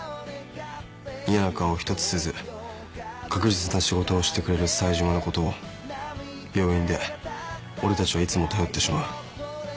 嫌な顔一つせず確実な仕事をしてくれる冴島のことを病院で俺たちはいつも頼ってしまう。